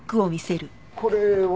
これは？